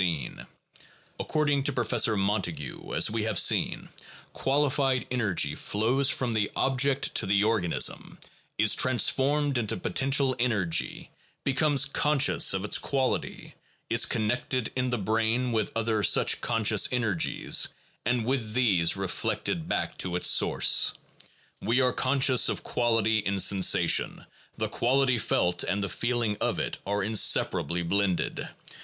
1 According to Professor Montague, as we have seen, qualified energy flows from the object to the organism, is transformed into potential energy, becomes conscious of its quality, is connected in the brain with other such conscious energies, and with these reflected back to its source. We are conscious of quality in sensation: the quality felt and the feeling of it are inseparably blended.